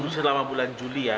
selama bulan juli ya